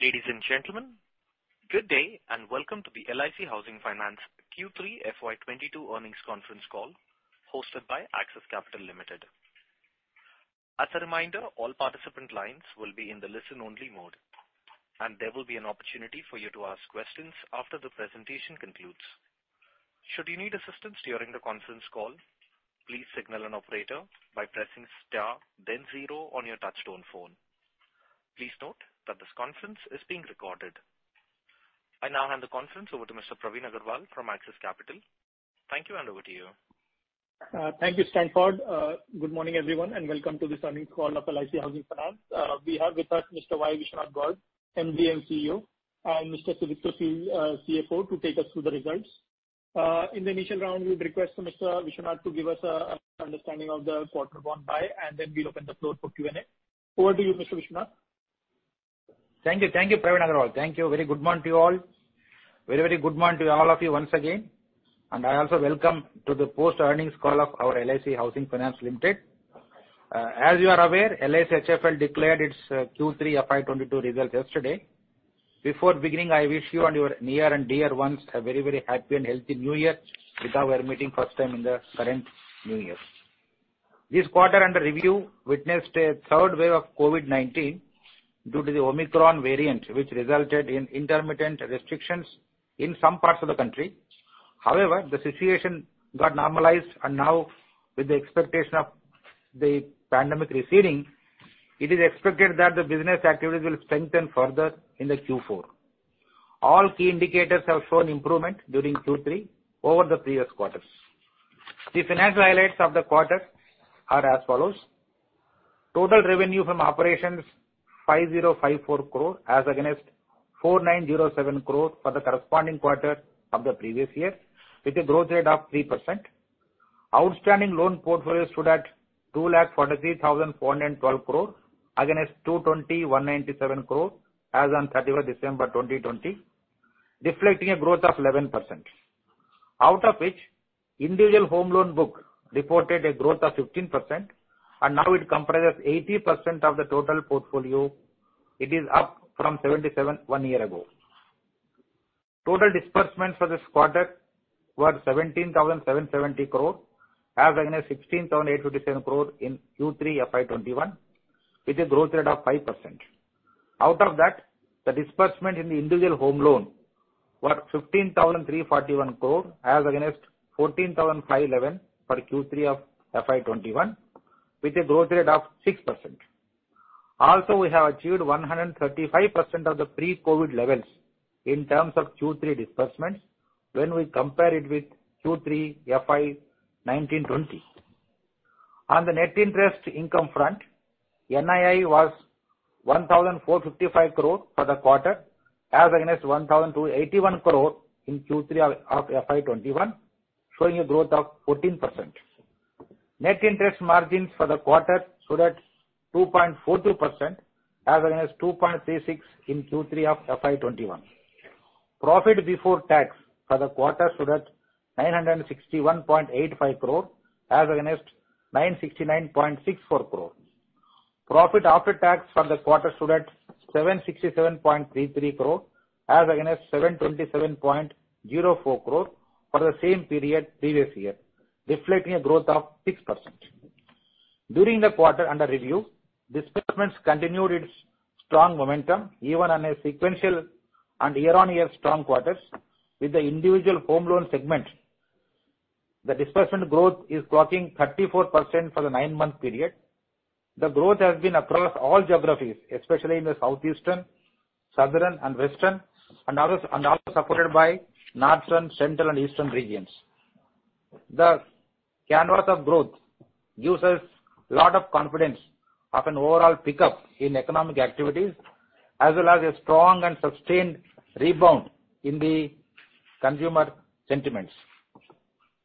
Ladies and gentlemen, good day, and welcome to the LIC Housing Finance Q3 FY 2022 earnings conference call, hosted by Axis Capital Limited. As a reminder, all participant lines will be in the listen-only mode, and there will be an opportunity for you to ask questions after the presentation concludes. Should you need assistance during the conference call, please signal an operator by pressing star, then zero on your touch-tone phone. Please note that this conference is being recorded. I now hand the conference over to Mr. Praveen Agarwal from Axis Capital. Thank you, and over to you. Thank you, Stanford. Good morning, everyone, and welcome to this earnings call of LIC Housing Finance. We have with us Mr. Y. Viswanatha Gowd, MD & CEO, and Mr. Sudipto Sil, CFO, to take us through the results. In the initial round, we request for Mr. Viswanatha to give us a understanding of the quarter gone by, and then we'll open the floor for Q&A. Over to you, Mr. Viswanatha. Thank you. Thank you, Praveen Agarwal. Thank you. Very good morning to you all. Very, very good morning to all of you once again, and I also welcome you to the post-earnings call of our LIC Housing Finance Limited. As you are aware, LIC HFL declared its Q3 FY 2022 results yesterday. Before beginning, I wish you and your near and dear ones a very, very happy and healthy New Year, because we are meeting first time in the current New Year. This quarter under review witnessed a third wave of COVID-19 due to the Omicron variant, which resulted in intermittent restrictions in some parts of the country. However, the situation got normalized, and now with the expectation of the pandemic receding, it is expected that the business activities will strengthen further in the Q4. All key indicators have shown improvement during Q3 over the previous quarters. The financial highlights of the quarter are as follows. Total revenue from operations, 5,054 crore as against 4,907 crore for the corresponding quarter of the previous year, with a growth rate of 3%. Outstanding loan portfolio stood at 2,43,412 crore against 22,197 crore as on December 31, 2020, reflecting a growth of 11%. Out of which individual home loan book reported a growth of 15%, and now it comprises 80% of the total portfolio. It is up from 77% one year ago. Total disbursements for this quarter were 17,770 crore as against 16,857 crore in Q3 FY 2021, with a growth rate of 5%. Out of that, the disbursement in the individual home loan was 15,341 crore as against 14,511 for Q3 of FY 2021, with a growth rate of 6%. We have achieved 135% of the pre-COVID levels in terms of Q3 disbursements when we compare it with Q3 FY 2019-2020. On the net interest income front, NII was 1,455 crore for the quarter as against 1,281 crore in Q3 of FY 2021, showing a growth of 14%. Net interest margins for the quarter stood at 2.42% as against 2.36% in Q3 of FY 2021. Profit before tax for the quarter stood at 961.85 crore as against 969.64 crore. Profit after tax for the quarter stood at 767.33 crore as against 727.04 crore for the same period previous year, reflecting a growth of 6%. During the quarter under review, disbursements continued its strong momentum, even on a sequential and year-on-year strong quarters. With the individual home loan segment, the disbursement growth is clocking 34% for the 9-month period. The growth has been across all geographies, especially in the southeastern, southern and western, and also supported by northern, central and eastern regions. The canvas of growth gives us lot of confidence of an overall pickup in economic activities, as well as a strong and sustained rebound in the consumer sentiments.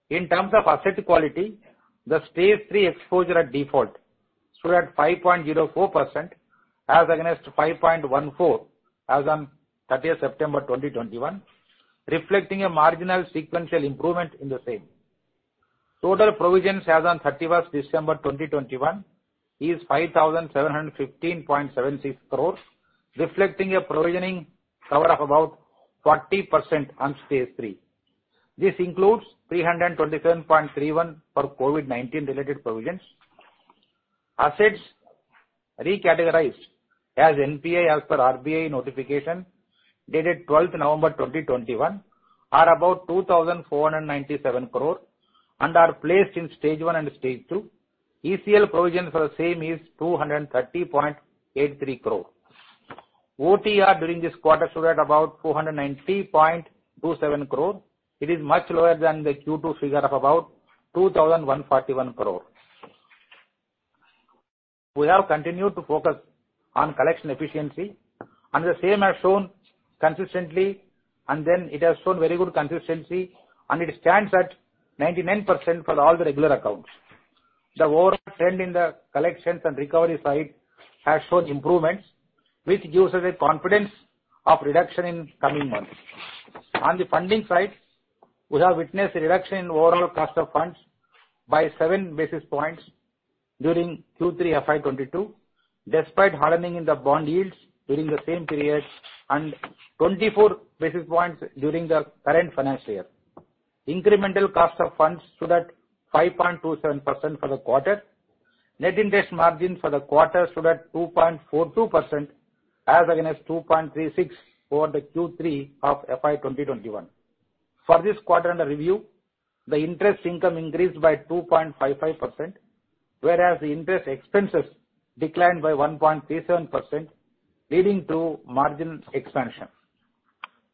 In terms of asset quality, the stage three exposure at default stood at 5.04% as against 5.14% as on September 30, 2021, reflecting a marginal sequential improvement in the same. Total provisions as on December 31, 2021 is 5,715.76 crore, reflecting a provisioning cover of about 40% on stage three. This includes 327.31 for COVID-19 related provisions. Assets recategorized as NPA as per RBI notification, dated November 12, 2021, are about 2,497 crore and are placed in stage one and stage two. ECL provisions for the same is 230.83 crore. OTR during this quarter stood at about 290.27 crore. It is much lower than the Q2 figure of about 2,141 crore. We have continued to focus on collection efficiency, and the same has shown consistently, and then it has shown very good consistency, and it stands at 99% for all the regular accounts. The overall trend in the collections and recovery side has shown improvements, which gives us a confidence of reduction in coming months. On the funding side, we have witnessed a reduction in overall cost of funds by 7 basis points during Q3 FY 2022, despite hardening in the bond yields during the same period and 24 basis points during the current financial year. Incremental cost of funds stood at 5.27% for the quarter. Net interest margin for the quarter stood at 2.42% as against 2.36% for the Q3 of FY 2021. For this quarter under review, the interest income increased by 2.55%, whereas the interest expenses declined by 1.37%, leading to margin expansion.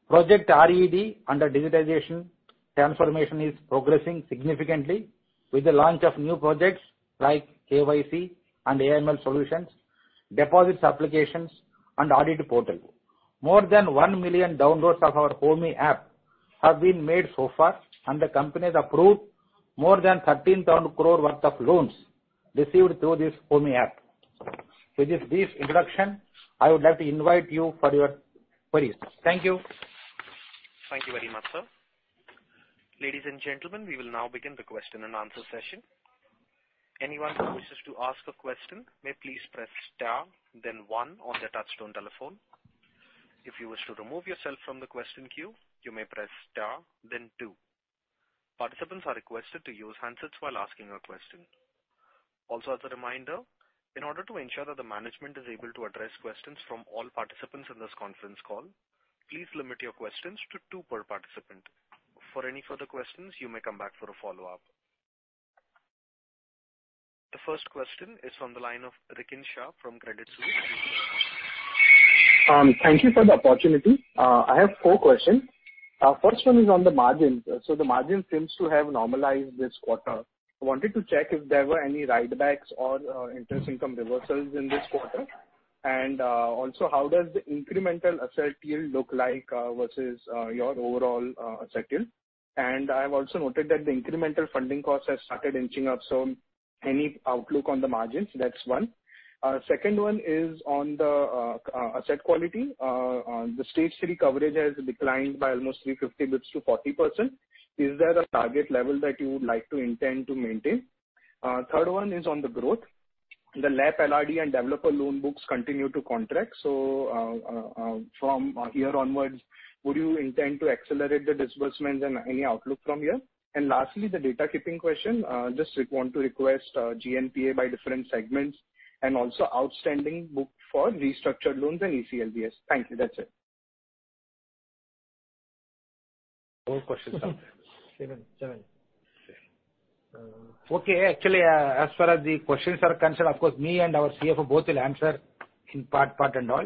Project RED under digital transformation is progressing significantly with the launch of new projects like KYC and AML solutions, deposit applications, and audit portal. More than 1 million downloads of our HOMY app have been made so far, and the company has approved more than 13,000 crore worth of loans received through this HOMY app. With this brief introduction, I would like to invite you for your queries. Thank you. Thank you very much, sir. Ladies and gentlemen, we will now begin the question-and-answer session. Anyone who wishes to ask a question may please press star then one on their touchtone telephone. If you wish to remove yourself from the question queue, you may press star then two. Participants are requested to use handsets while asking a question. Also, as a reminder, in order to ensure that the management is able to address questions from all participants in this conference call, please limit your questions to two per participant. For any further questions, you may come back for a follow-up. The first question is on the line of Rikin Shah from Credit Suisse. Thank you for the opportunity. I have four questions. First one is on the margins. The margin seems to have normalized this quarter. I wanted to check if there were any write-backs or interest income reversals in this quarter. Also, how does the incremental asset yield look like versus your overall asset yield? I've also noted that the incremental funding costs have started inching up, so any outlook on the margins? That's one. Second one is on the asset quality. The stage three coverage has declined by almost 350 basis points to 40%. Is there a target level that you would like to intend to maintain? Third one is on the growth. The LAP, LRD, and developer loan books continue to contract. From here onwards, would you intend to accelerate the disbursements and any outlook from here? Lastly, the data keeping question. I just want to request GNPA by different segments and also outstanding book for restructured loans and ECLGS. Thank you. That's it. Four questions. Okay. Actually, as far as the questions are concerned, of course me and our CFO both will answer in part and all.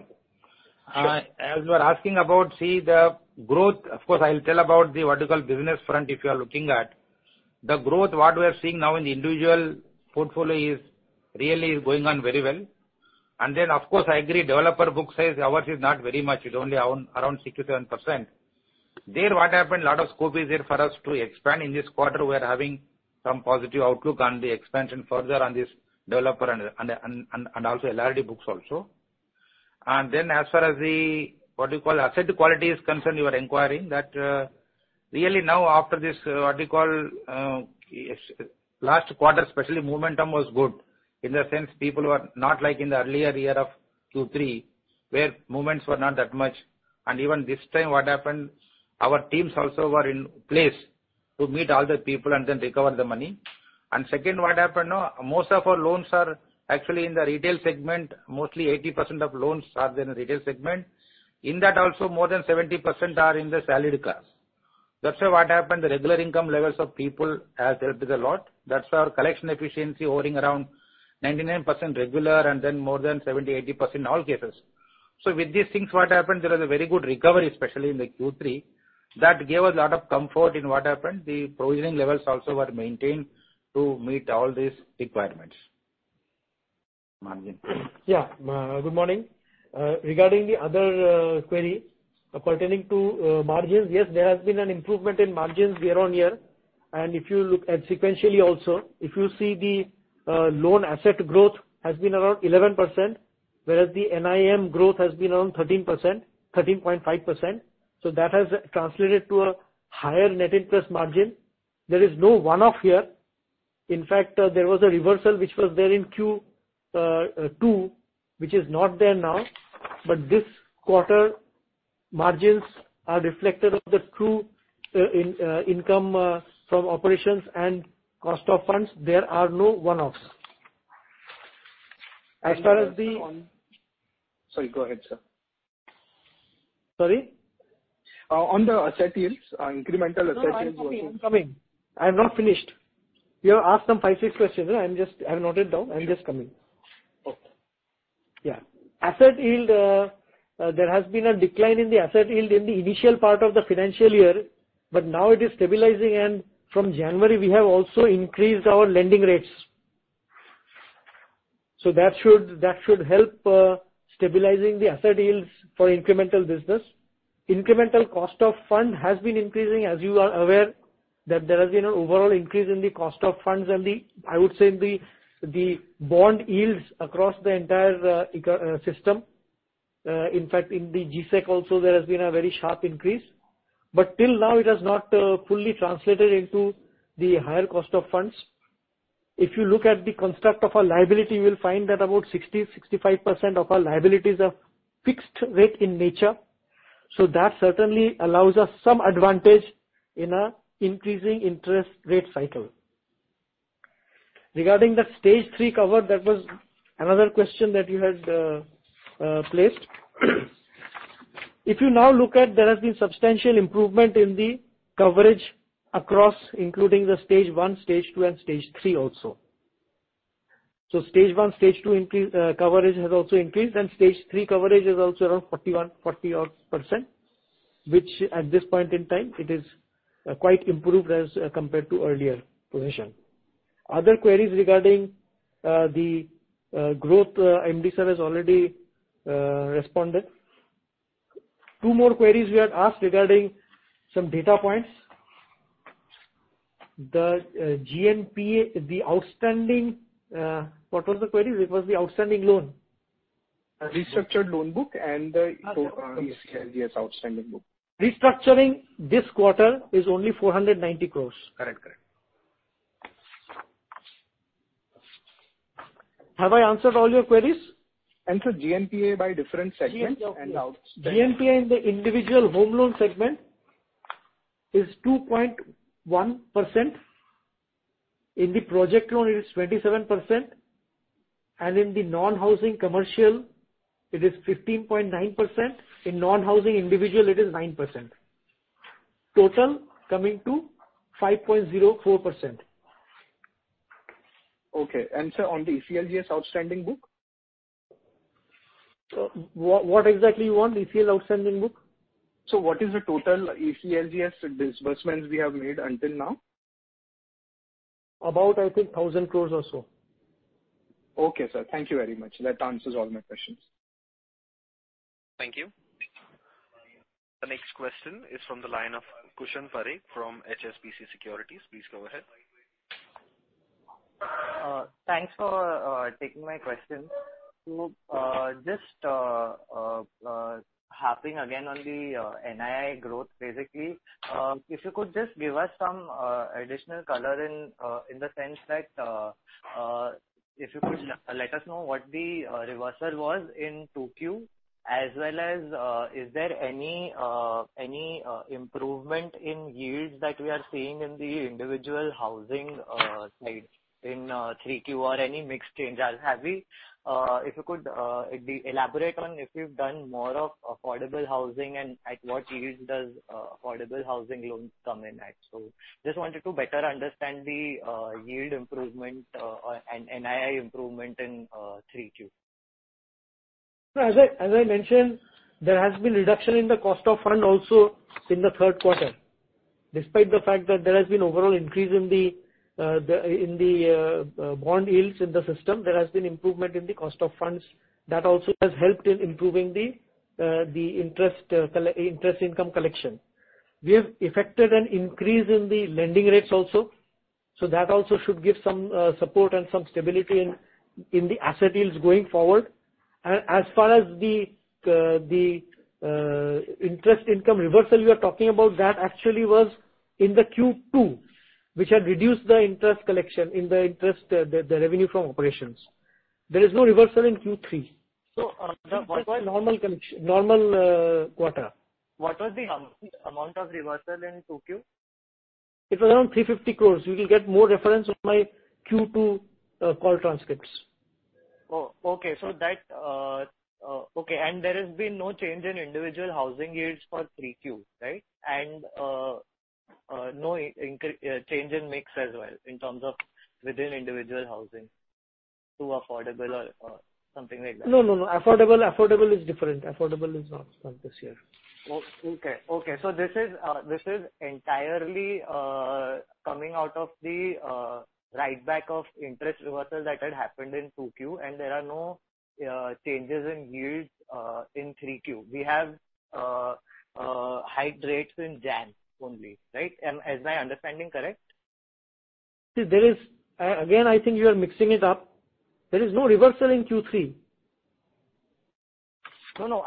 Sure. As you are asking about, see the growth, of course, I'll tell about the what you call business front if you are looking at. The growth, what we are seeing now in the individual portfolio is really going on very well. Then of course I agree developer book size, ours is not very much. It's only around 6%-7%. There what happened, lot of scope is there for us to expand. In this quarter we are having some positive outlook on the expansion further on this developer and also LRD books also. Then as far as the, what do you call, asset quality is concerned, you are inquiring, that, really now after this, what do you call, last quarter especially momentum was good. In the sense people were not like in the earlier year of Q3, where movements were not that much. Even this time, what happened, our teams also were in place to meet all the people and then recover the money. Second, what happened now, most of our loans are actually in the retail segment, mostly 80% of loans are in the retail segment. In that also more than 70% are in the salaried class. That's why what happened, the regular income levels of people has helped us a lot. That's our collection efficiency hovering around 99% regular and then more than 70%-80% in all cases. With these things, what happened, there was a very good recovery, especially in the Q3. That gave us a lot of comfort in what happened. The provisioning levels also were maintained to meet all these requirements. Margin. Yeah. Good morning. Regarding the other query pertaining to margins, yes, there has been an improvement in margins year-on-year. If you look at sequentially also, if you see the loan asset growth has been around 11%, whereas the NIM growth has been around 13%, 13.5%. So that has translated to a higher net interest margin. There is no one-off here. In fact, there was a reversal which was there in Q2, which is not there now. This quarter margins are reflective of the true income from operations and cost of funds. There are no one-offs. As far as the- Sorry, go ahead, sir. Sorry? On the asset yields, incremental asset yields also. No, I'm coming. I have not finished. You have asked some five, six questions. I have noted down. I'm just coming. Okay. Yeah. Asset yield, there has been a decline in the asset yield in the initial part of the financial year, but now it is stabilizing, and from January we have also increased our lending rates. That should help stabilizing the asset yields for incremental business. Incremental cost of funds has been increasing, as you are aware that there has been an overall increase in the cost of funds and the, I would say, in the bond yields across the entire ecosystem. In fact, in the G-Sec also, there has been a very sharp increase. Till now, it has not fully translated into the higher cost of funds. If you look at the construct of our liabilities, you will find that about 65% of our liabilities are fixed rate in nature. That certainly allows us some advantage in an increasing interest rate cycle. Regarding the stage three cover, that was another question that you had placed. If you now look, there has been substantial improvement in the coverage across including the stage one, stage two and stage three also. Stage one, stage two coverage has also increased, and stage three coverage is also around 41%, 40-odd%, which at this point in time it is quite improved as compared to earlier position. Other queries regarding the growth, MD sir has already responded. Two more queries we are asked regarding some data points. The GNPA, the outstanding. What was the query? It was the outstanding loan. Restructured loan book and the total ECLGS outstanding book. Restructuring this quarter is only 490 crore. Correct. Correct. Have I answered all your queries? Sir, GNPA by different segments and outstanding. GNPA in the individual home loan segment is 2.1%. In the project loan, it is 27%. In the non-housing commercial, it is 15.9%. In non-housing individual, it is 9%. Total coming to 5.04%. Okay. Sir, on the ECLGS outstanding book. What exactly you want, ECL outstanding book? What is the total ECLGS disbursements we have made until now? About, I think, 1,000 crore or so. Okay, sir. Thank you very much. That answers all my questions. Thank you. The next question is from the line of Kushan Parikh from HSBC Securities. Please go ahead. Thanks for taking my question. Just harping again on the NII growth basically. If you could just give us some additional color in the sense that if you could let us know what the reversal was in Q2, as well as is there any improvement in yields that we are seeing in the individual housing side in Q3 or any mix change. If you could elaborate on if you've done more of affordable housing and at what yield does affordable housing loans come in at. Just wanted to better understand the yield improvement and NII improvement in Q3. As I mentioned, there has been reduction in the cost of funds also in the Q3. Despite the fact that there has been overall increase in the bond yields in the system, there has been improvement in the cost of funds. That also has helped in improving the interest income collection. We have effected an increase in the lending rates also, so that also should give some support and some stability in the asset yields going forward. As far as the interest income reversal you are talking about, that actually was in the Q2, which had reduced the interest collection in the revenue from operations. There is no reversal in Q3. So- It's a quite normal condition, quarter. What was the amount of reversal in Q2? It was around 350 crore. You will get more reference on my Q2 call transcripts. Oh, okay. There has been no change in individual housing yields for Q3, right? No change in mix as well in terms of within individual housing to affordable or something like that? No. Affordable is different. Affordable is not this year. This is entirely coming out of the writeback of interest reversal that had happened in Q2, and there are no changes in yields in Q3. We have high rates in January only, right? Is my understanding correct? See, again, I think you are mixing it up. There is no reversal in Q3. No.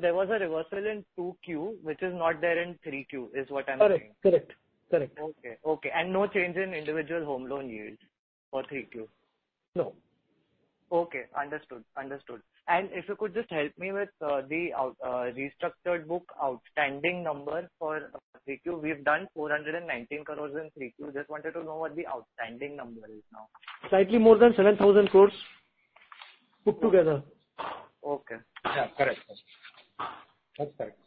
There was a reversal in Q2, which is not there in Q3, is what I'm saying. Correct. Okay. No change in individual home loan yield for Q3? No. Okay. Understood. If you could just help me with the outstanding restructured book number for Q3. We've done 419 crore in Q3. Just wanted to know what the outstanding number is now. Slightly more than 7,000 crore put together. Okay. Yeah. Correct. That's correct.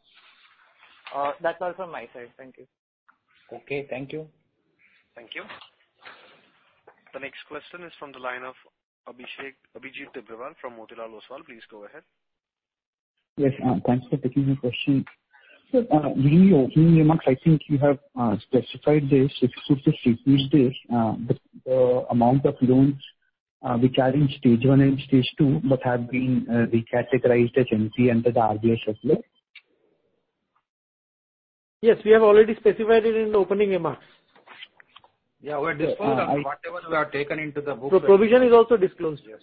That's all from my side. Thank you. Okay. Thank you. Thank you. The next question is from the line of Abhijit Tibrewal from Motilal Oswal. Please go ahead. Yes. Thanks for taking the question. Sure. During your opening remarks, I think you have specified this. If you could just repeat this, the amount of loans we carry stage one and stage two but have been recategorized as NPA under the RBI circular. Yes, we have already specified it in the opening remarks. Yeah. We've disclosed whatever we have taken into the books. Provision is also disclosed. Yes.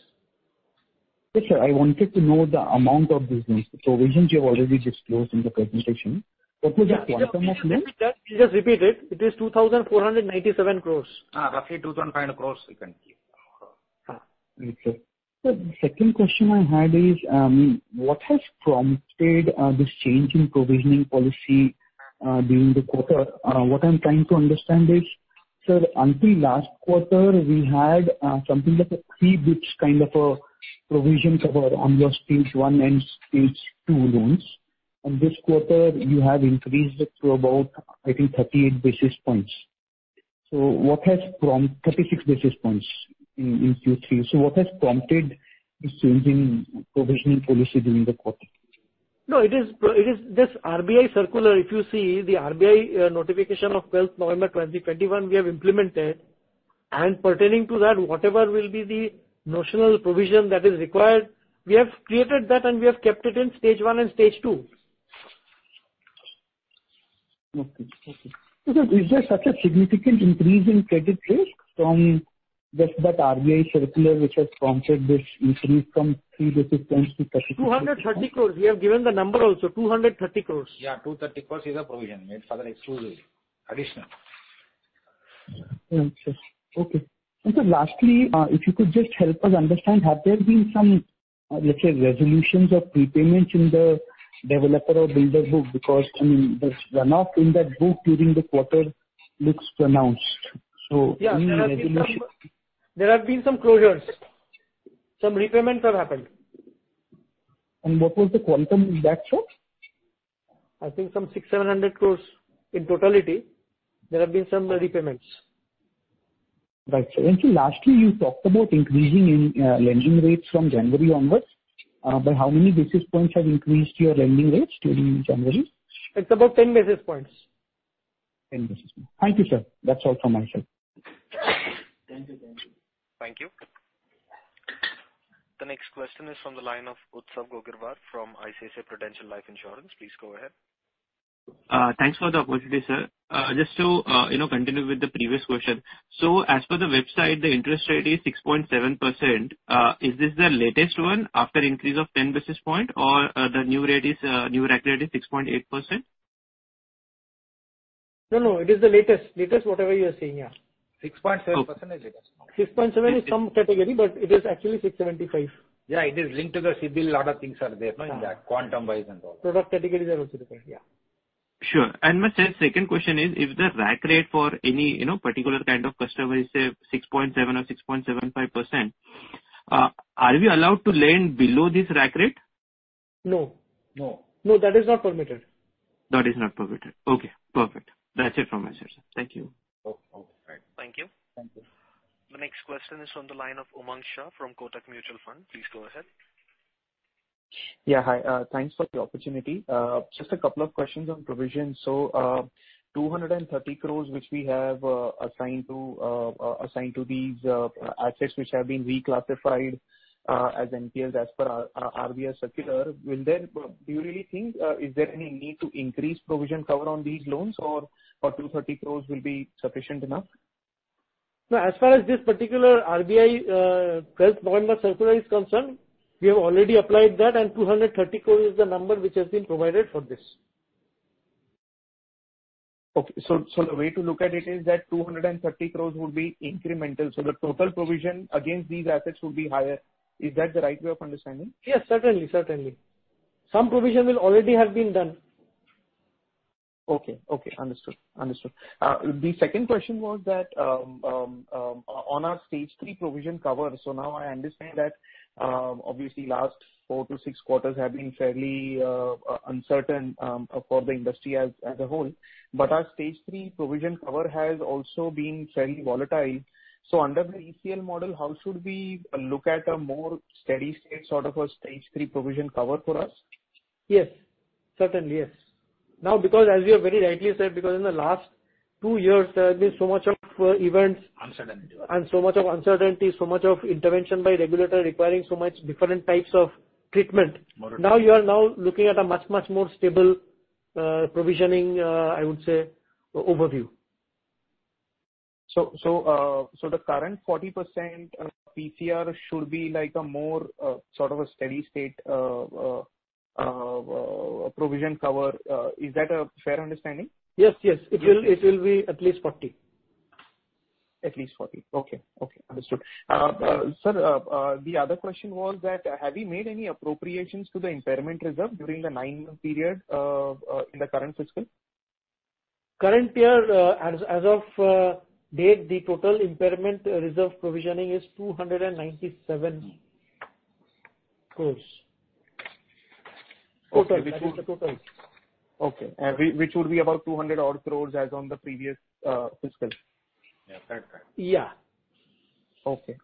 Sir, I wanted to know the amount of business. The provisions you have already disclosed in the presentation. What was the quantum of loans? Just repeat it. It is 2,497 crore. Roughly 2,400 crore you can keep. Right, sir. The second question I had is, what has prompted this change in provisioning policy during the quarter? What I'm trying to understand is, sir, until last quarter, we had something like a 3 basis points kind of a provisions over on your stage one and stage two loans. This quarter you have increased it to about, I think 38 basis points. Thirty-six basis points in Q3. What has prompted this change in provisioning policy during the quarter? No, it is this RBI circular. If you see the RBI notification of November 12, 2021, we have implemented. Pertaining to that, whatever will be the notional provision that is required, we have created that, and we have kept it in stage one and stage two. Okay. Is there such a significant increase in credit risk from just that RBI circular which has prompted this increase from 3 basis points to 32? 230 crore. We have given the number also, 230 crore. Yeah. 230 crore is a provision made for that exclusively. Additional. Right, sir. Okay. Sir, lastly, if you could just help us understand, have there been some, let's say resolutions or prepayments in the developer or builder book? Because, I mean, the runoff in that book during the quarter looks pronounced. Any resolution. Yes, there have been some closures, some repayments have happened. What was the quantum in that, sir? I think some 600 crore-700 crore in totality. There have been some repayments. Right, sir. Sir, lastly, you talked about increase in lending rates from January onwards. By how many basis points have you increased your lending rates during January? It's about 10 basis points. 10 basis points. Thank you, sir. That's all from myself. Thank you. Thank you. Thank you. The next question is from the line of Utsav Gogirwar from ICICI Prudential Life Insurance. Please go ahead. Thanks for the opportunity, sir. Just to, you know, continue with the previous question. As per the website, the interest rate is 6.7%. Is this the latest one after increase of 10 basis points or the new rack rate is 6.8%? No, no. It is the latest. Latest whatever you are seeing, yeah. 6.7% is latest. 6.7% is some category, but it is actually 6.75%. Yeah, it is linked to the CIBIL. Lot of things are there, no, in that, quantum-wise and all that. Product categories are also different. Yeah. Sure. My second question is, if the rack rate for any, you know, particular kind of customer is, say, 6.7% or 6.75%, are we allowed to lend below this rack rate? No. No. No, that is not permitted. That is not permitted. Okay, perfect. That's it from my side, sir. Thank you. Okay. All right. Thank you. Thank you. The next question is on the line of Umang Shah from Kotak Mutual Fund. Please go ahead. Yeah, hi. Thanks for the opportunity. Just a couple of questions on provision. 230 crore, which we have assigned to these assets which have been reclassified as NPAs as per RBI circular. Do you really think is there any need to increase provision cover on these loans or 230 crore will be sufficient enough? No. As far as this particular RBI November circular is concerned, we have already applied that, and 230 crore is the number which has been provided for this. The way to look at it is that 230 crore would be incremental, so the total provision against these assets would be higher. Is that the right way of understanding? Yes, certainly. Some provision will already have been done. Okay. Understood. The second question was that on our stage three provision cover, so now I understand that obviously last four to six quarters have been fairly uncertain for the industry as a whole. Our stage three provision cover has also been fairly volatile. Under the ECL model, how should we look at a more steady state sort of a stage three provision covers for us? Yes. Certainly, yes. Now, because as you have very rightly said, because in the last two years there have been so much of events. Uncertainty. Much of uncertainty, so much of intervention by regulator requiring so much different types of treatment. More. Now you are looking at a much, much more stable provisioning, I would say, overview. The current 40% PCR should be like a more sort of a steady state provision cover. Is that a fair understanding? Yes, yes. It will be at least 40%. At least 40%. Okay. Understood. Sir, the other question was that have you made any appropriations to the impairment reserve during the 9-month period in the current fiscal? Current year, as of date, the total impairment reserve provisioning is 297 crore. Okay. Total. That is the total. Okay. Which would be about 200-odd crore as on the previous fiscal. Yeah. Correct. Yeah. Okay.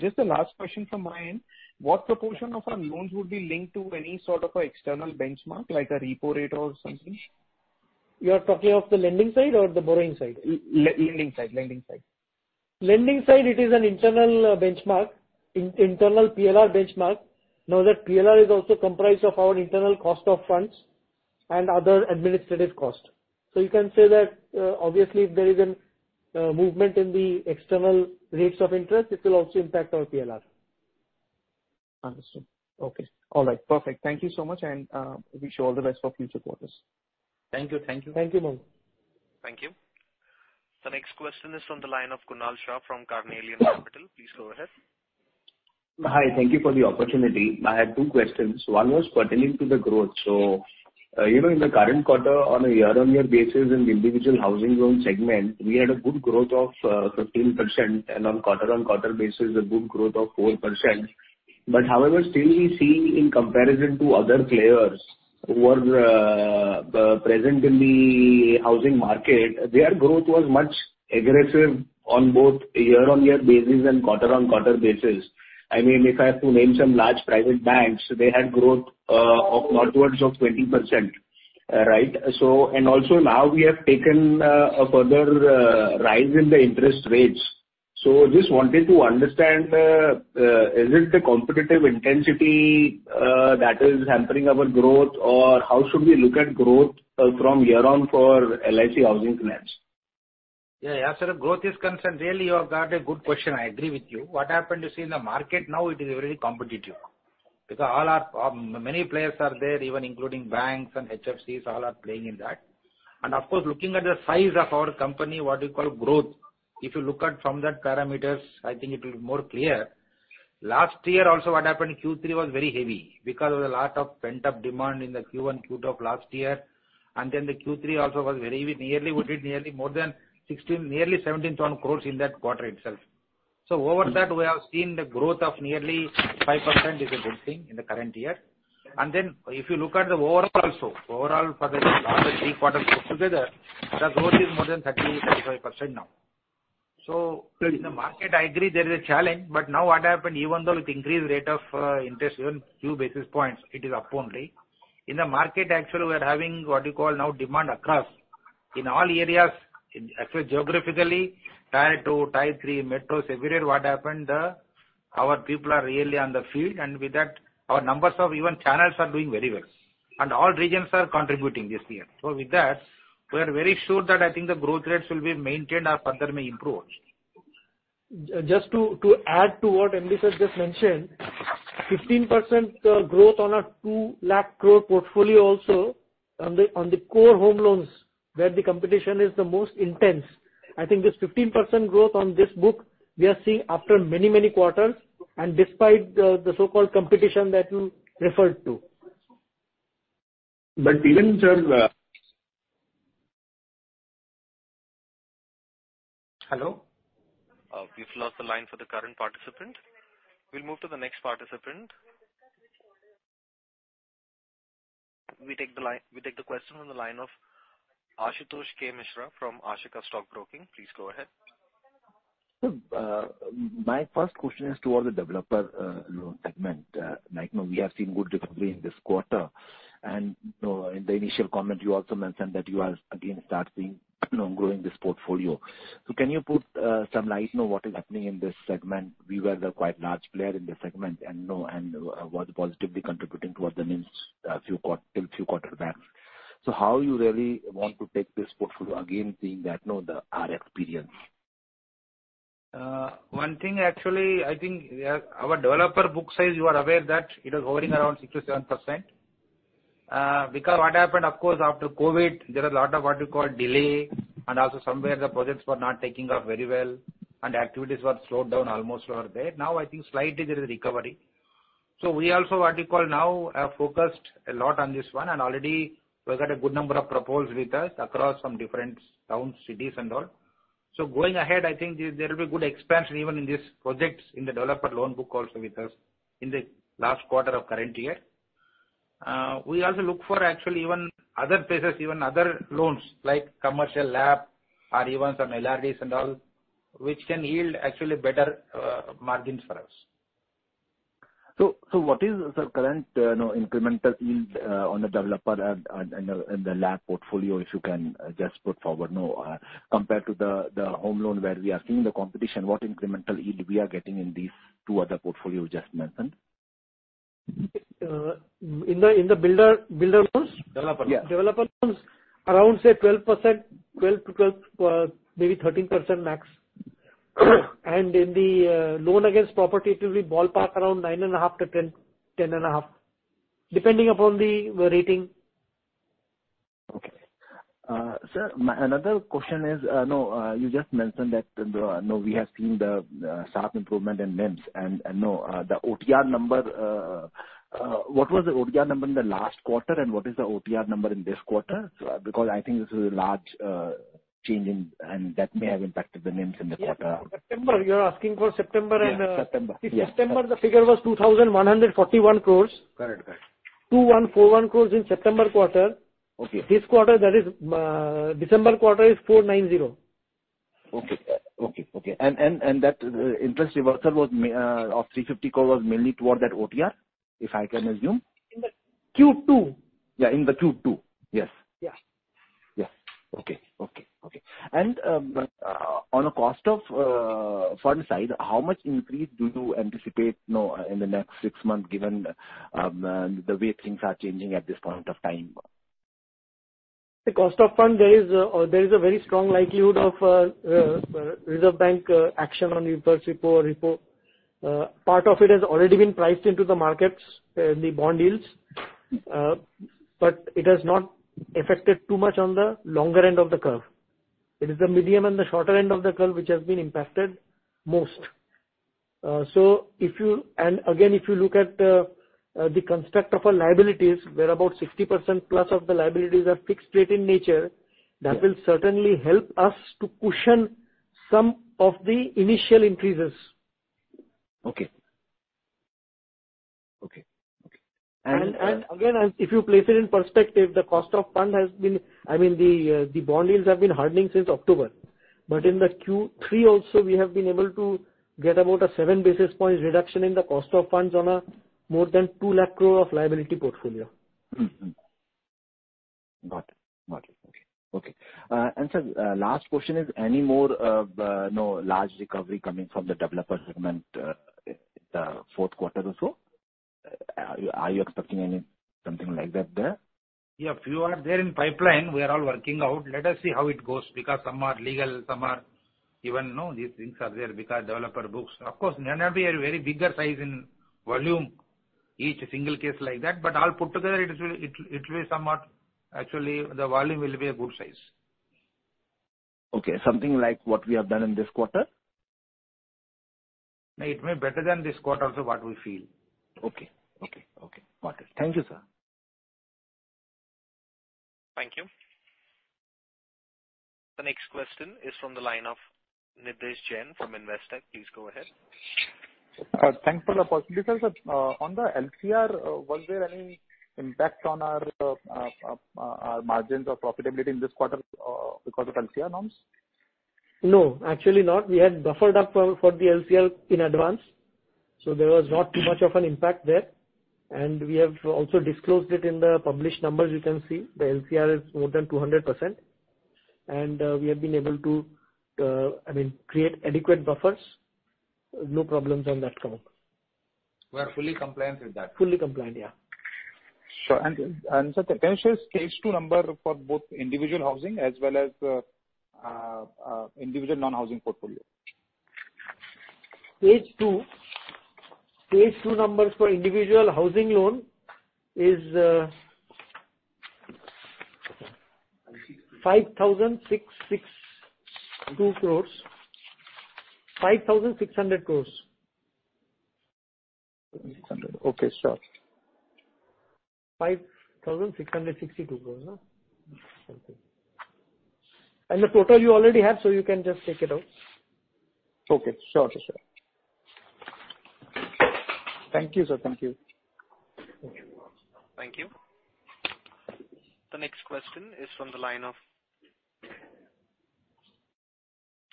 Just the last question from my end. What proportion of our loans would be linked to any sort of a external benchmark, like a repo rate or something? You are talking of the lending side or the borrowing side? Lending side. Lending side, it is an internal benchmark. Internal PLR benchmark. Now that PLR is also comprised of our internal cost of funds and other administrative costs. You can say that, obviously, if there is a movement in the external rates of interest, it will also impact our PLR. Understood. Okay. All right. Perfect. Thank you so much, and wish you all the best for future quarters. Thank you. Thank you. Thank you, sir. Thank you. The next question is on the line of Kunal Shah from Carnelian Capital. Please go ahead. Hi. Thank you for the opportunity. I had two questions. One was pertaining to the growth. You know, in the current quarter, on a year-on-year basis in the individual housing loan segment, we had a good growth of 15% and on quarter-on-quarter basis, a good growth of 4%. However, still we see in comparison to other players who are present in the housing market, their growth was much aggressive on both a year-on-year basis and quarter-on-quarter basis. I mean, if I have to name some large private banks, they had growth of upwards of 20%. Right? Also now we have taken a further rise in the interest rates. Just wanted to understand, is it the competitive intensity that is hampering our growth, or how should we look at growth from here on for LIC Housing Finance? Yeah. As far as growth is concerned, really you have got a good question. I agree with you. What happened to, say, the market now, it is very competitive, because all our many players are there, even including banks and HFCs, all are playing in that. Of course, looking at the size of our company, what you call growth, if you look at from that parameters, I think it will be more clear. Last year also, what happened, Q3 was very heavy because there was a lot of pent-up demand in the Q1, Q2 of last year. The Q3 also was very, we did nearly more than 16, nearly 17,000 crore in that quarter itself. Over that, we have seen the growth of nearly 5% is a good thing in the current year. Then if you look at the overall also, overall for the last three quarters put together, the growth is more than 30%-35% now. In the market, I agree there is a challenge, but now what happened, even though with increased rate of interest, even few basis points, it is up only. In the market actually we are having what you call now demand across in all areas. Actually geographically, Tier 2, Tier 3 metros, everywhere what haptierpened, our people are really on the field, and with that our numbers of even channels are doing very well. All regions are contributing this year. With that, we are very sure that I think the growth rates will be maintained or further may improve. Just to add to what Viswanatha just mentioned, 15% growth on a 2 lakh crore portfolio also on the core home loans where the competition is the most intense. I think this 15% growth on this book we are seeing after many, many quarters, and despite the so-called competition that you referred to. Even, sir Hello? We've lost the line for the current participant. We'll move to the next participant. We take the line, we take the question on the line of Asutosh Kumar Mishra from Ashika Stock Broking. Please go ahead. Sir, my first question is to the developer loan segment. Like, now we have seen good recovery in this quarter, and in the initial comment you also mentioned that you are again start seeing, you know, growing this portfolio. Can you put some light on what is happening in this segment? We were a quite large player in this segment and, you know, was positively contributing towards the NIMs till few quarters back. How do you really want to take this portfolio again, seeing that, you know, our experience? One thing actually, I think, our developer book size, you are aware that it is hovering around 6%-7%. Because what happened, of course, after COVID, there was a lot of what you call delay, and also somewhere the projects were not taking off very well and activities were slowed down almost over there. Now I think slightly there is a recovery. We also what you call now have focused a lot on this one, and already we've got a good number of proposals with us across some different towns, cities and all. Going ahead, I think there will be good expansion even in these projects in the developer loan book also with us in the last quarter of current year. We also look for actually even other places, even other loans, like commercial LAP or even some LRDs and all, which can yield actually better margins for us. What is the current, you know, incremental yield on the developer and the LAP portfolio, if you can just put forward? You know, compared to the home loan where we are seeing the competition, what incremental yield we are getting in these two other portfolios you just mentioned? In the builder loans? Developer. Developer loans, around, say, 12%. 12%-12%, maybe 13% max. In the loan against property, it will be ballpark around 9.5%-10.5%, depending upon the rating. Okay. Sir, another question is, you just mentioned that we have seen the sharp improvement in NIMs and, you know, the OTR number. What was the OTR number in the last quarter, and what is the OTR number in this quarter? Because I think this is a large change, and that may have impacted the NIMs in the quarter. Yes. September. You are asking for September and, Yes, September. Yes. In September, the figure was 2,141 crore. Correct. Correct. 2,141 crore in September quarter. Okay. This quarter that is, December quarter is 490. That interest reversal of 350 crore was mainly toward that OTR, if I can assume. In the Q2. Yeah, in the Q2. Yes. Yeah. Okay, on a cost of funds side, how much increase do you anticipate, you know, in the next six months, given the way things are changing at this point of time? The cost of funds, there is a very strong likelihood of Reserve Bank action on inverse repo. Part of it has already been priced into the markets, in the bond yields. It has not affected too much on the longer end of the curve. It is the medium and the shorter end of the curve which has been impacted most. Again, if you look at the construct of our liabilities, where about 60%+ of the liabilities are fixed rate in nature. Yeah. that will certainly help us to cushion some of the initial increases. Okay. Again, if you place it in perspective, the cost of funds has been, I mean, the bond yields have been hardening since October. In the Q3 also, we have been able to get about a 7 basis point reduction in the cost of funds on more than 2 lakh crore of liability portfolio. Got it. Okay. Sir, last question. Is any more of, you know, large recovery coming from the developer segment, in the Q4 or so? Are you expecting anything like that there? Yeah. Few are there in pipeline. We are all working out. Let us see how it goes, because some are legal, some are even, you know, these things are there because developer books. Of course, may not be a very bigger size in volume, each single case like that. All put together, it is, it'll be somewhat actually the volume will be a good size. Okay. Something like what we have done in this quarter? It may be better than this quarter, so what we feel. Okay. Got it. Thank you, sir. Thank you. The next question is from the line of Nidhesh Jain from Investec. Please go ahead. Thanks for the opportunity. Sir, on the LCR, was there any impact on our margins or profitability in this quarter, because of LCR norms? No, actually not. We had buffered up for the LCR in advance, so there was not too much of an impact there. We have also disclosed it in the published numbers. You can see the LCR is more than 200%. I mean, we have been able to create adequate buffers. No problems on that count. We are fully compliant with that. Fully compliant, yeah. Sure. Sir, can you share stage two number for both individual housing as well as individual non-housing portfolio? Stage two numbers for individual housing loan is 5,662 crore. 5,600 crore. 600. Okay, sure. 5,662 crore, no? Something. The total you already have, so you can just take it out. Okay. Sure, sure. Thank you, sir. Thank you. Thank you. Thank you. The next question is from the line of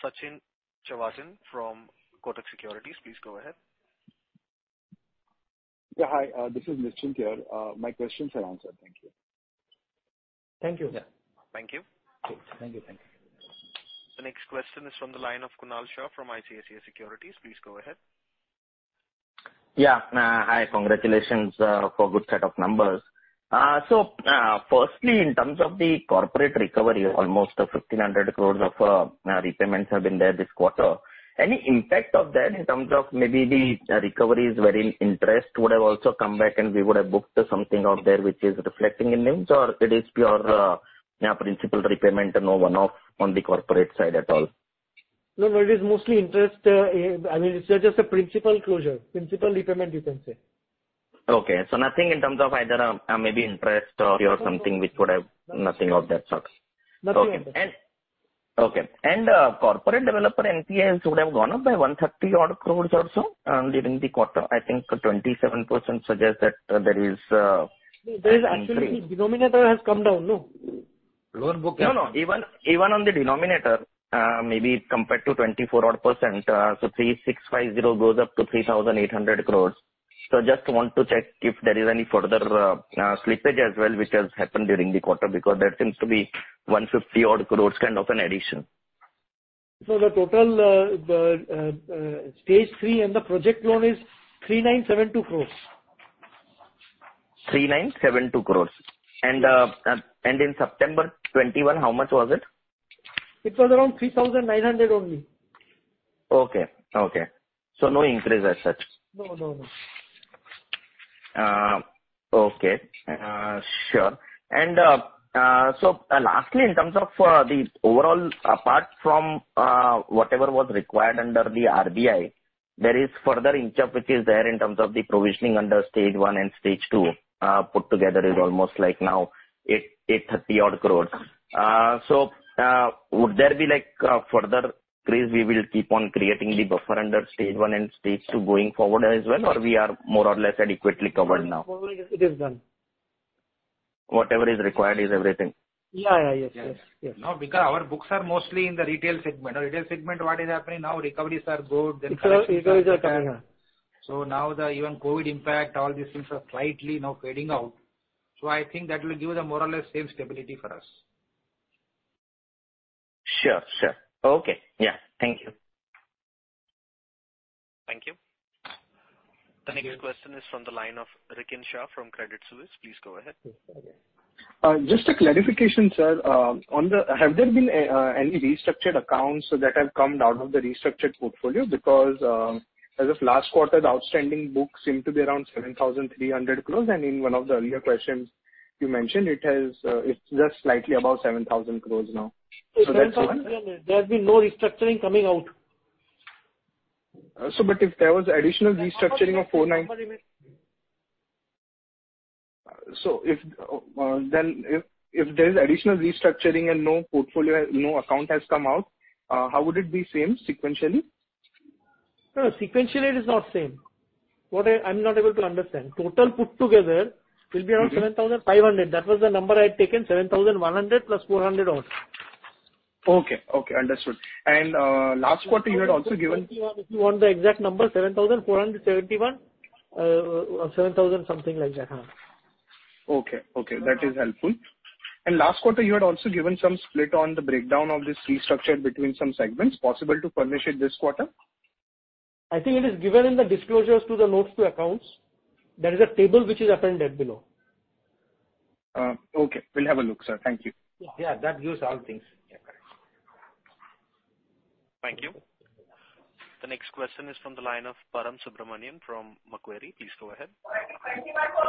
Nischint Chawathe from Kotak Securities. Please go ahead. Yeah, hi. This is Nischint Chawathe here. My questions are answered. Thank you. Thank you. Yeah. Thank you. Thank you. Thank you. The next question is from the line of Kunal Shah from ICICI Securities. Please go ahead. Yeah. Hi. Congratulations for good set of numbers. So, firstly, in terms of the corporate recovery, almost 1,500 crore of repayments have been there this quarter. Any impact of that in terms of maybe the recoveries were in interest would have also come back and we would have booked something out there which is reflecting in them? Or it is pure principal repayment, no one-off on the corporate side at all? No, no. It is mostly interest. I mean, it's just a principal closure. Principal repayment, you can say. Okay. Nothing in terms of either, maybe interest or something which could have nothing of that sort. Nothing of that. Corporate developer NPAs would have gone up by 130 crore or so during the quarter. I think 27% suggest that there is There is actually denominator has come down. No. Lower book. No, no. Even on the denominator, maybe compared to 24% odd, so 3,650 goes up to 3,800 crore. Just want to check if there is any further slippage as well which has happened during the quarter because that seems to be 150 crore odd kind of an addition. The total stage three and the project loan is 3,972 crore. 3,972 crore. In September 2021, how much was it? It was around 3,900 only. Okay. No increase as such. No, no. Okay. Sure. Lastly, in terms of the overall apart from whatever was required under the RBI, there is further inching up which is there in terms of the provisioning under stage one and stage two put together is almost like now 830 odd crore. Would there be like a further increase we will keep on creating the buffer under stage one and stage two going forward as well, or we are more or less adequately covered now? No, it is done. Whatever is required is everything. Yeah. Yes. Yes. Now, because our books are mostly in the retail segment, retail segment, what is happening now, recoveries are good. It's always a trend, huh. Now the even COVID impact, all these things are slightly now fading out. I think that will give the more or less same stability for us. Sure. Okay. Yeah. Thank you. Thank you. The next question is from the line of Rikin Shah from Credit Suisse. Please go ahead. Okay. Just a clarification, sir. On the, have there been any restructured accounts that have come out of the restructured portfolio? Because as of last quarter, the outstanding books seemed to be around 7,300 crore, and in one of the earlier questions you mentioned it has, it's just slightly above 7,000 crore now. That's what 7,000. There has been no restructuring coming out. if there was additional restructuring of 49- One moment. If there is additional restructuring and no portfolio, no account has come out, how would it be same sequentially? No, sequentially it is not same. I'm not able to understand. Total put together will be around 7,500. That was th e number I had taken. 7,100 plus 400 odd. Okay. Understood. Last quarter you had also given- If you want the exact number, 7,471. 7,000, something like that. Okay. Okay. That is helpful. Last quarter you had also given some split on the breakdown of this restructure between some segments. Possible to furnish it this quarter? I think it is given in the disclosures to the notes to accounts. There is a table which is appended below. Okay. Will have a look, sir. Thank you. Yeah. That gives all things. Yeah. Correct. Thank you. The next question is from the line of Param Subramanian from Macquarie. Please go ahead.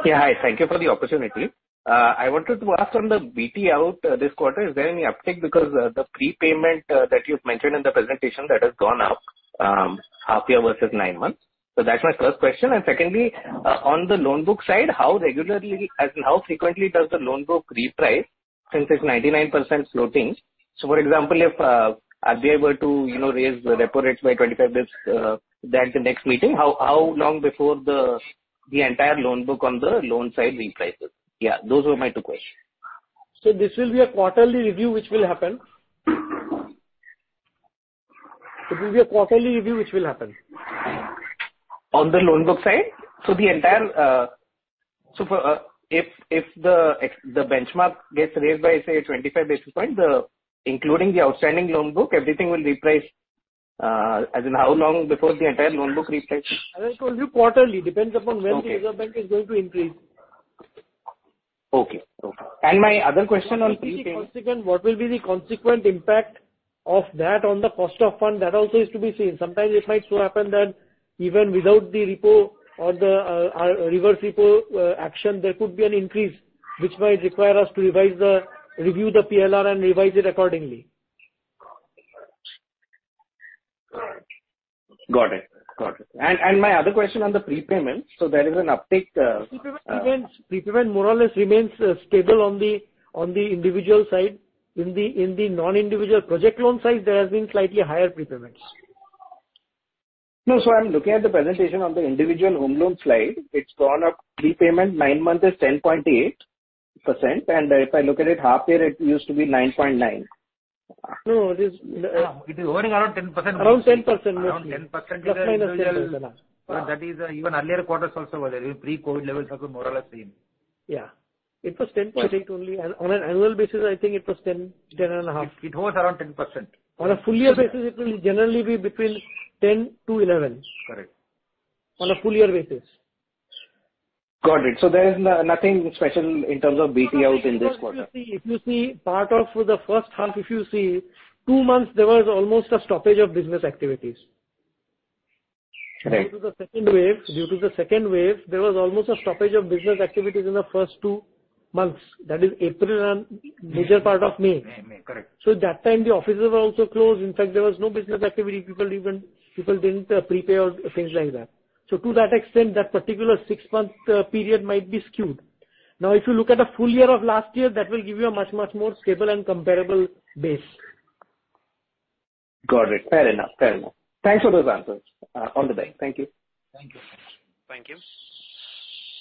Yeah. Hi. Thank you for the opportunity. I wanted to ask on the BT out this quarter, is there any uptick? Because the prepayment that you've mentioned in the presentation that has gone up, half year versus 9 months. So that's my first question. Secondly, on the loan book side, how regularly, as in how frequently does the loan book reprice since it's 99% floating? So, for example, if they are able to, you know, raise the repo rates by 25 basis points at the next meeting, how long before the entire loan book on the loan side reprices? Yeah, those were my two questions. This will be a quarterly review which will happen. On the loan book side, if the benchmark gets raised by, say, 25 basis points, including the outstanding loan book, everything will reprice. As in, how long before the entire loan book reprices? As I told you, quarterly. Depends upon when the Reserve Bank is going to increase. Okay. My other question on prepayment- What will be the consequent impact of that on the cost of fund? That also is to be seen. Sometimes it might so happen that even without the repo or the reverse repo action, there could be an increase which might require us to review the PLR and revise it accordingly. Got it. My other question on the prepayment, so there is an uptick. Prepayment more or less remains stable on the individual side. In the non-individual project loan side, there has been slightly higher prepayments. No. I'm looking at the presentation on the individual home loan slide. It's gone up. Prepayment 9 months is 10.8%, and if I look at it half year, it used to be 9.9%. No, it is. It is hovering around 10%. Around 10%. Around 10%. ±10%. That is, even earlier quarters also were there. Even pre-COVID levels were more or less same. Yeah. It was 10.8% only. On an annual basis, I think it was 10.5%. It hovers around 10%. On a full year basis, it will generally be between 10-11. Correct. On a full year basis. Got it. There's nothing special in terms of BT out in this quarter. If you see part of the first half, two months there was almost a stoppage of business activities. Right. Due to the second wave, there was almost a stoppage of business activities in the first two months. That is April and major part of May. May. Correct. that time the offices were also closed. In fact, there was no business activity. People even didn't prepay or things like that. To that extent, that particular six-month period might be skewed. Now if you look at the full year of last year, that will give you a much, much more stable and comparable base. Got it. Fair enough. Thanks for those answers. All the best. Thank you. Thank you. Thank you.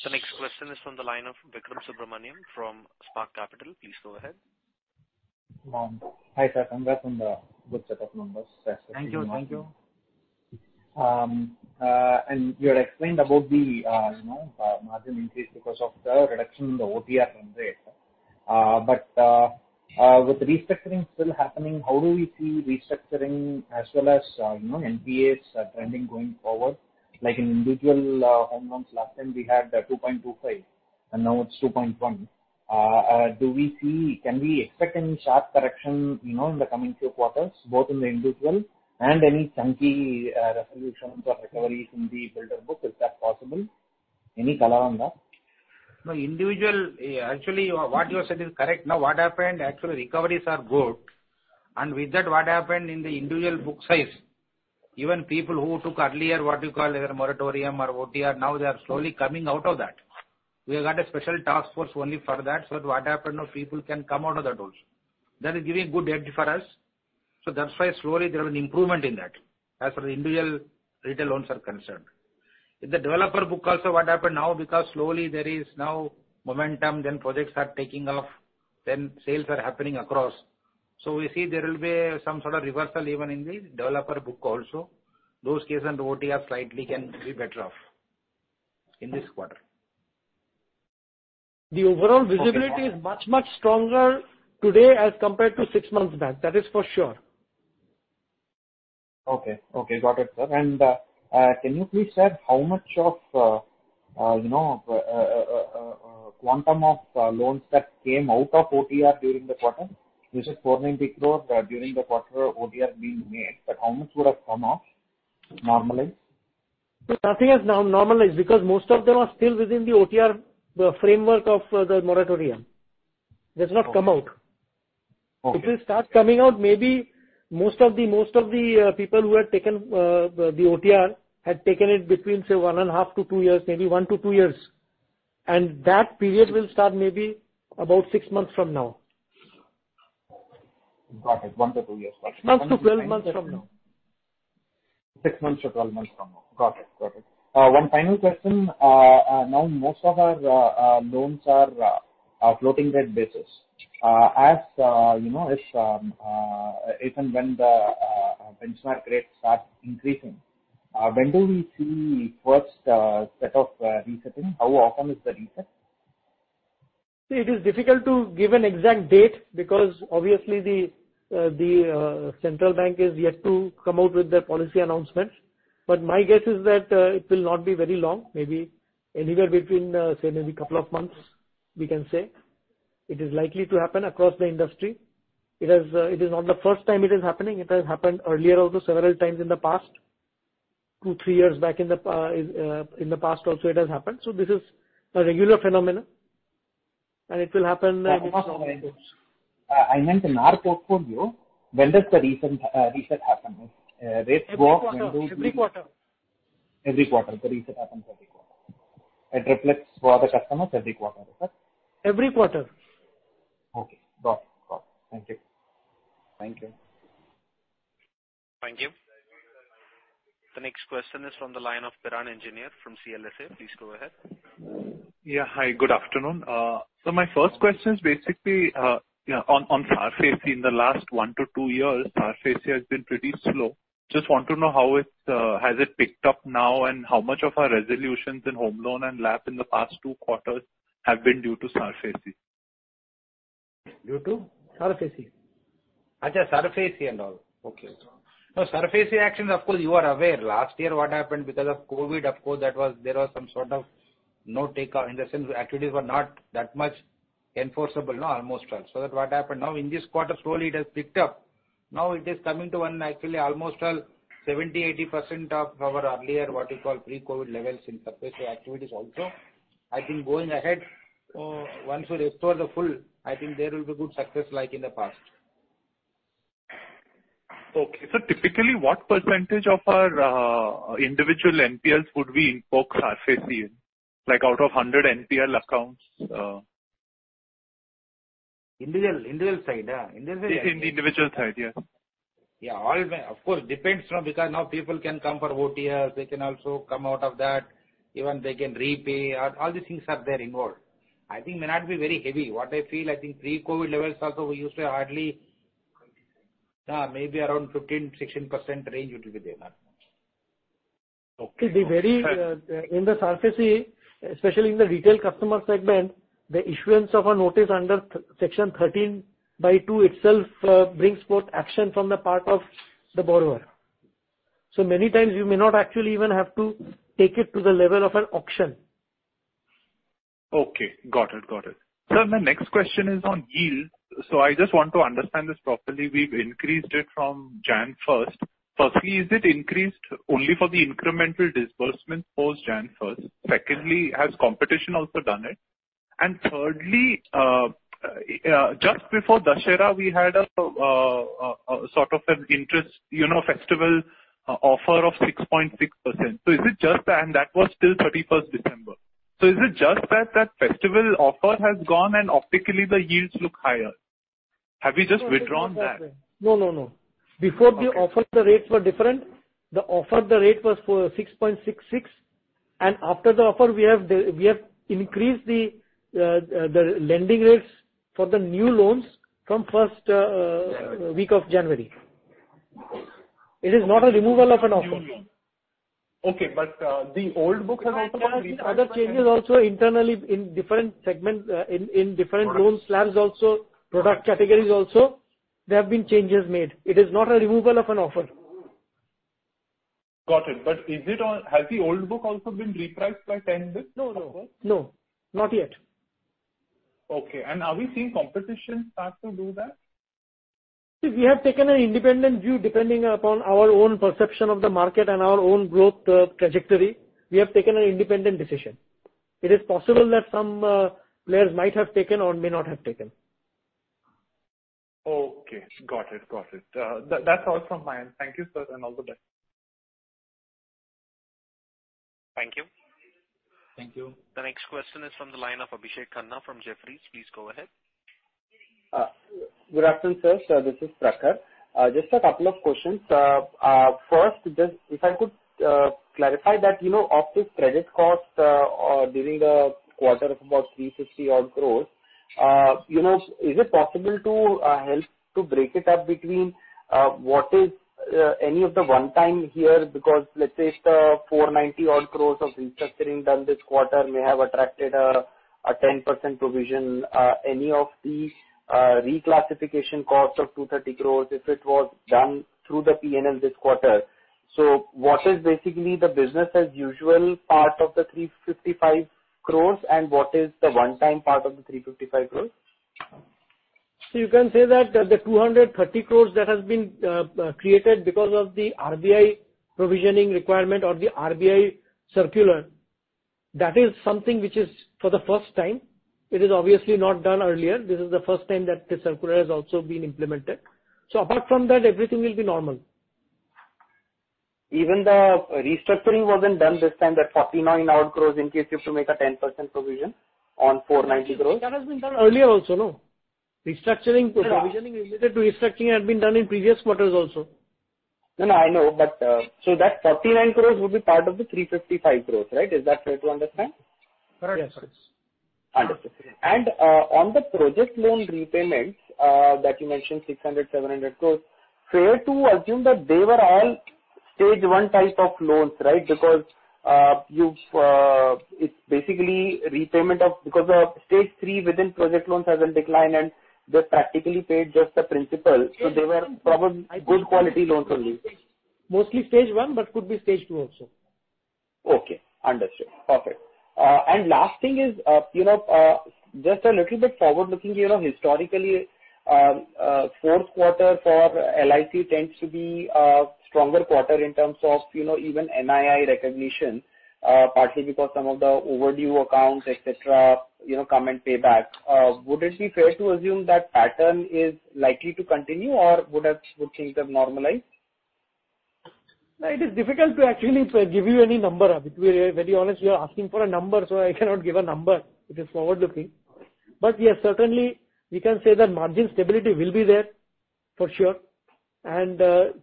The next question is from the line of Vikram Subramanian from Spark Capital. Please go ahead. Hi, sir. Congrats on the good set of numbers. Thank you. Thank you. You had explained about the you know margin increase because of the reduction in the OTR trend rate. With restructuring still happening, how do you see restructuring as well as you know NPAs trending going forward? Like in individual home loans, last time we had 2.25%, and now it's 2.1%. Can we expect any sharp correction you know in the coming two quarters, both in the individual and any chunky resolutions or recoveries in the builder book? Is that possible? Any color on that? Actually, what you have said is correct. Now what happened, actually recoveries are good, and with that, what happened in the individual book size, even people who took earlier, what you call either moratorium or OTR, now they are slowly coming out of that. We have got a special task force only for that, so what happened now people can come out of that also. That is giving good edge for us. That's why slowly there is an improvement in that as for the individual retail loans are concerned. In the developer book also what happened now because slowly there is now momentum, then projects are taking off, then sales are happening across. We see there will be some sort of reversal even in the developer book also. Those case and OTR slightly can be better off in this quarter. The overall visibility is much, much stronger today as compared to six months back, that is for sure. Okay. Got it, sir. Can you please share how much of, you know, quantum of loans that came out of OTR during the quarter? You said 490 crore during the quarter OTR is being made, but how much would have come off normalized? Nothing is not normalized because most of them are still within the OTR, the framework of the moratorium. It has not come out. Okay. It will start coming out maybe most of the people who had taken the OTR had taken it between, say, one and a half to two years, maybe one to two years. That period will start maybe about six months from now. Got it. One to two years. Months to 12 months from now. Six months to 12 months from now. Got it. One final question. Now most of our loans are floating rate basis. As you know, if and when the benchmark rate starts increasing, when do we see first set of resetting? How often is the reset? See, it is difficult to give an exact date because obviously the central bank is yet to come out with their policy announcement. My guess is that it will not be very long, maybe anywhere between, say, maybe couple of months, we can say. It is likely to happen across the industry. It is not the first time it is happening. It has happened earlier also several times in the past. Two, three years back in the past also it has happened. This is a regular phenomenon, and it will happen. I meant in our portfolio, when does the reset happen? Rates go up. Every quarter. Every quarter. The reset happens every quarter. It reflects for the customers every quarter. Is that? Every quarter. Okay. Got it. Thank you. Thank you. The next question is from the line of Piran Engineer from CLSA. Please go ahead. Hi, good afternoon. My first question is basically on SARFAESI in the last one to two years. SARFAESI has been pretty slow. Just want to know how it has picked up now and how much of our resolutions in home loan and LAP in the past two quarters have been due to SARFAESI? Due to? SARFAESI. Oh, yeah, SARFAESI and all. Okay. Now, SARFAESI actions, of course, you are aware last year what happened because of COVID, of course, that was, there was some sort of no take off in the sense activities were not that much enforceable, no, almost all. So that what happened now in this quarter, slowly it has picked up. Now it is coming to one actually almost, 70%-80% of our earlier, what you call, pre-COVID levels in SARFAESI activities also. I think going ahead, once you restore the full, I think there will be good success like in the past. Okay. Typically what percentage of our individual NPLs would we invoke SARFAESI in? Like out of 100 NPL accounts Individual side. In the individual side, yeah. Yeah. All, of course, depends on because now people can come for OTRs, they can also come out of that. Even they can repay. All these things are involved. I think it may not be very heavy. What I feel, I think pre-COVID levels also we used to have maybe around 15%-16% range it will be there. Okay. See the very in the SARFAESI, especially in the retail customer segment, the issuance of a notice under Section 13(2) itself brings forth action on the part of the borrower. Many times you may not actually even have to take it to the level of an auction. Okay. Got it. Sir, my next question is on yield. I just want to understand this properly. We've increased it from January 1. Firstly, is it increased only for the incremental disbursement post January 1? Secondly, has competition also done it? Thirdly, just before Dussehra, we had a sort of an interest, you know, festival offer of 6.6%. That was till December 31. Is it just that that festival offer has gone and optically the yields look higher? Have you just withdrawn that? No, no. Before the offer, the rates were different. The offer, the rate was 6.66%. After the offer we have increased the lending rates for the new loans from first week of January. It is not a removal of an offer. Okay, the old book has also Other changes also internally in different segments, in different loan slabs also, product categories also, there have been changes made. It is not a removal of an offer. Got it. Is it all? Has the old book also been repriced by 10 basis points? No, no. No, not yet. Okay. Are we seeing competition start to do that? We have taken an independent view depending upon our own perception of the market and our own growth trajectory. We have taken an independent decision. It is possible that some players might have taken or may not have taken. Okay. Got it. That's all from my end. Thank you, sir, and all the best. Thank you. The next question is from the line of Prakhar Sharma from Jefferies. Please go ahead. Good afternoon, sir. This is Prakhar. Just a couple of questions. First, just if I could clarify that, you know, of this credit cost during the quarter of about 350-odd crore, you know, is it possible to help break it up between what is any of the one-time here, because let's say if the 490-odd crore of restructuring done this quarter may have attracted a 10% provision, any of the reclassification cost of 230 crore if it was done through the P&L this quarter. So, what is basically the business-as-usual part of the 355 crore, and what is the one-time part of the 355 crore? You can say that the 230 crore that has been created because of the RBI provisioning requirement or the RBI circular, that is something which is for the first time, it is obviously not done earlier. This is the first time that the circular has also been implemented. Apart from that, everything will be normal. Even the restructuring wasn't done this time, that 49 odd crore in case you have to make a 10% provision on 490 crore. That has been done earlier also, no? No, no. Provisioning related to restructuring had been done in previous quarters also. No, no, I know, but so that 49 crore would be part of the 355 crore, right? Is that fair to understand? Correct. Yes. Understood. On the project loan repayments that you mentioned 600 crore-700 crore, fair to assume that they were all stage one type of loans, right? Because the stage three within project loans has been declined and just practically paid just the principal. They were probably good quality loans only. Mostly stage one, but could be stage two also. Okay, understood. Perfect. Last thing is, you know, just a little bit forward-looking, you know, historically, Q4 for LIC tends to be a stronger quarter in terms of, you know, even NII recognition, partly because some of the overdue accounts, et cetera, you know, come and pay back. Would it be fair to assume that pattern is likely to continue or would things have normalized? No, it is difficult to actually give you any number. To be very honest, you are asking for a number, so I cannot give a number. It is forward-looking. Yes, certainly we can say that margin stability will be there for sure.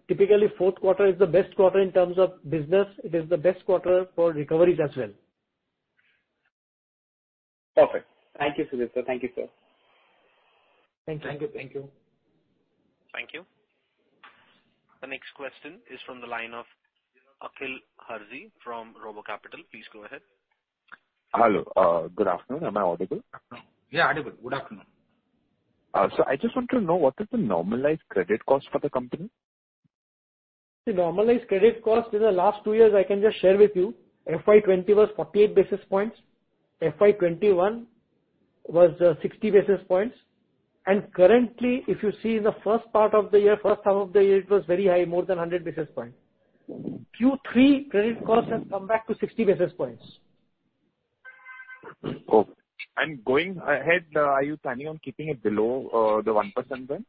Typically fourth quarter is the best quarter in terms of business. It is the best quarter for recoveries as well. Perfect. Thank you, Sudipto, sir. Thank you, sir. Thank you. Thank you. Thank you. Thank you. The next question is from the line of Akhil Hazari from RoboCapital. Please go ahead. Hello. Good afternoon. Am I audible? Yeah, audible. Good afternoon. I just want to know what is the normalized credit cost for the company? The normalized credit cost in the last two years, I can just share with you, FY 2020 was 48 basis points. FY 2021 was sixty basis points. Currently, if you see in the first part of the year, first half of the year, it was very high, more than 100 basis points. Q3 credit cost has come back to 60 basis points. Okay. Going ahead, are you planning on keeping it below 1% then?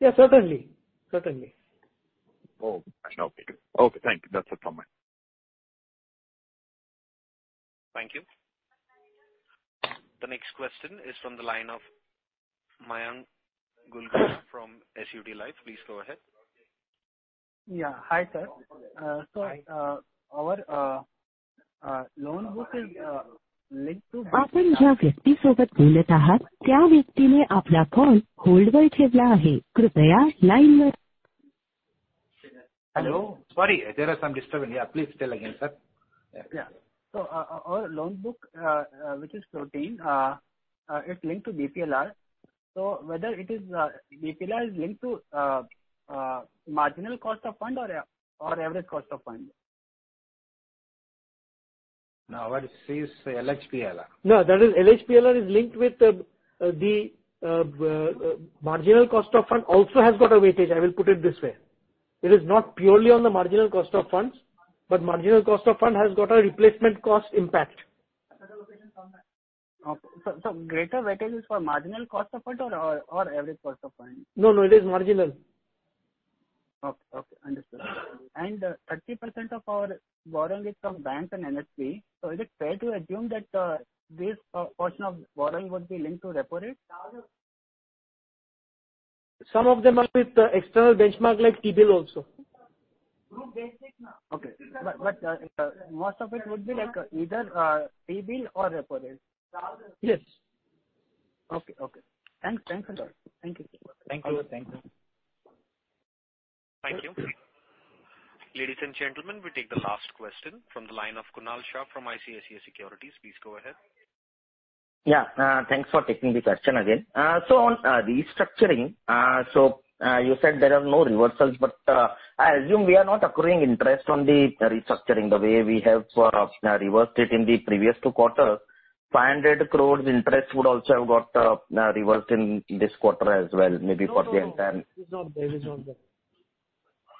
Yeah, certainly. Certainly. Oh, okay. Okay, thank you. That's it from me. Thank you. The next question is from the line of Mayank Gulgulia from SUD Life. Please go ahead. Yeah. Hi, sir. Our loan book is linked to. Hello. Sorry, there was some disturbance. Yeah, please tell again, sir. Our loan book, which is linked to BPLR. Whether BPLR is linked to marginal cost of fund or average cost of fund. Now what he says LHPLR. No, that is, LHPLR is linked with the marginal cost of fund also has got a weightage. I will put it this way. It is not purely on the marginal cost of funds, but marginal cost of fund has got a replacement cost impact. Okay. Greater weightage is for marginal cost of fund or average cost of fund? No, no, it is marginal. Okay, understood. 30% of our borrowing is from banks and NHB, so is it fair to assume that this portion of borrowing would be linked to repo rate? Some of them are with the external benchmark like T-bill also. Okay. Most of it would be like either T-bill or repo rate. Yes. Okay. Thanks a lot. Thank you. Welcome. Thank you. Thank you. Thank you. Ladies and gentlemen, we take the last question from the line of Kunal Shah from ICICI Securities. Please go ahead. Yeah. Thanks for taking the question again. On restructuring, you said there are no reversals, but I assume we are not accruing interest on the restructuring the way we have reversed it in the previous two quarters. 500 crore interest would also have got reversed in this quarter as well, maybe for the entire- No, no. It's not there. It's not there.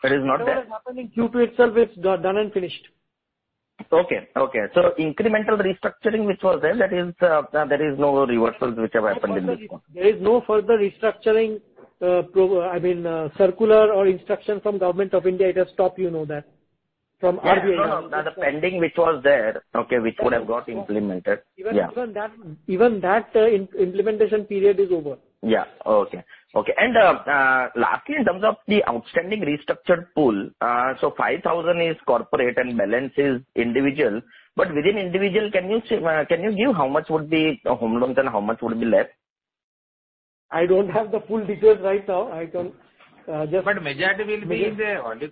It is not there? Whatever happened in Q2 itself is done and finished. Okay. Incremental restructuring which was there, that is, there is no reversals which have happened in this one. There is no further restructuring. Circular or instruction from Government of India, it has stopped, you know that. From RBI also. Yes. No, no. The pending which was there, okay, which would have got implemented. Yeah. Even that implementation period is over. Yeah. Okay. Lastly, in terms of the outstanding restructured pool, so 5,000 is corporate and balance is individual. But within individual, can you give how much would be home loans and how much would be left? I don't have the full details right now. I can just- Majority will be as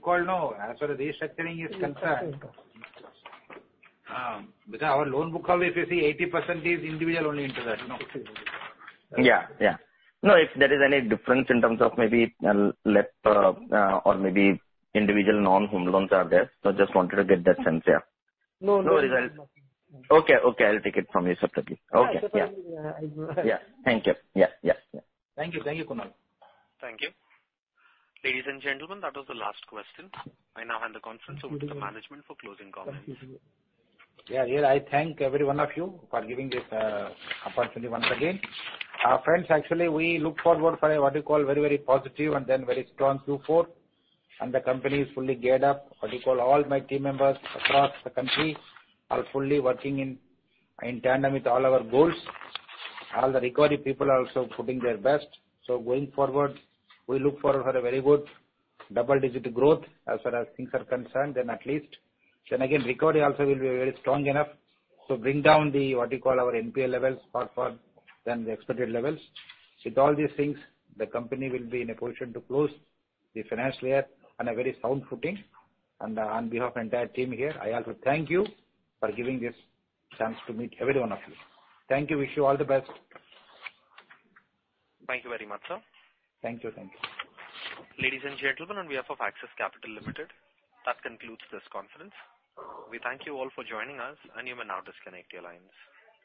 far as restructuring is concerned. Because our loan book, if you see, 80% is individual only into that. Yeah, yeah. No, if there is any difference in terms of maybe LAP, or maybe individual non-home loans are there. So just wanted to get that sense, yeah. No, no. No worries. Okay, okay, I'll take it from you separately. Okay. Yeah. Yeah, separately. Yeah. Thank you. Yeah, yeah. Thank you. Thank you, Kunal. Thank you. Ladies and gentlemen, that was the last question. I now hand the conference over to the management for closing comments. Thank you. Yeah, yeah. I thank every one of you for giving this opportunity once again. Friends, actually, we look forward for a what you call very, very positive and then very strong Q4. The company is fully geared up. What do you call, all my team members across the country are fully working in tandem with all our goals. All the recovery people are also putting their best. Going forward, we look forward for a very good double-digit growth as far as things are concerned then at least. Again, recovery also will be very strong enough to bring down the what you call our NPA levels far, far than the expected levels. With all these things, the company will be in a position to close the financial year on a very sound footing. On behalf of entire team here, I also thank you for giving this chance to meet every one of you. Thank you. Wish you all the best. Thank you very much, sir. Thank you. Thank you. Ladies and gentlemen, on behalf of Axis Capital Limited, that concludes this conference. We thank you all for joining us, and you may now disconnect your lines.